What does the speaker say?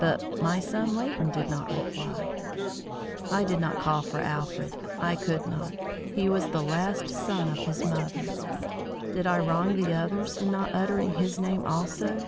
But my son Leighton did not reply. I did not call for Alfred. I could not! He was the last son of his mother. Did I wrong the others in not uttering his name also?